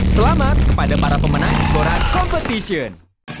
selamat kepada para pemenang jebora competition